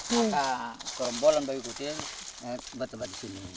maka kerombolan babi kutil buat buat di sini